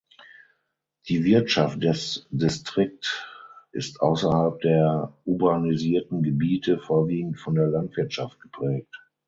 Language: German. Die Wirtschaft des Distrikt ist außerhalb der urbanisierten Gebiete vorwiegend von der Landwirtschaft geprägt.